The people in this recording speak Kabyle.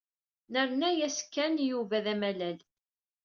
Nerna-as Ken i Yuba d amalal.